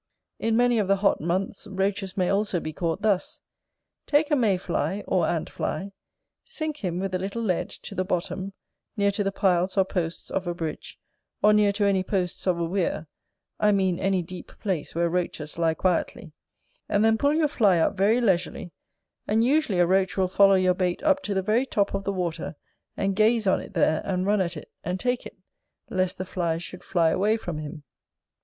In many of the hot months, Roaches may also be caught thus: take a May fly, or ant fly, sink him with a little lead to the bottom, near to the piles or posts of a bridge, or near to any posts of a weir, I mean any deep place where Roaches lie quietly, and then pull your fly up very leisurely, and usually a Roach will follow your bait up to the very top of the water, and gaze on it there, and run at it, and take it, lest the fly should fly away from him.